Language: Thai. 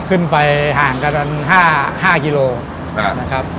ขึ้นไปห่างกัน๕กิโลนะครับ